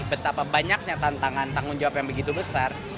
betapa banyaknya tantangan tanggung jawab yang begitu besar